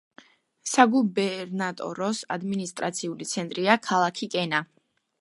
საგუბერნატოროს ადმინისტრაციული ცენტრია ქალაქი კენა.